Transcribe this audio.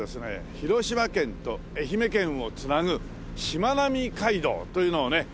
広島県と愛媛県を繋ぐしまなみ海道というのをね